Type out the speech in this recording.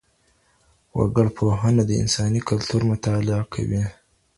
وګړپوهنه د انساني کلتور مطالعه کوي.